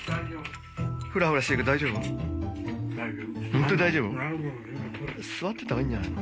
ホント大丈夫？座ってた方がいいんじゃない？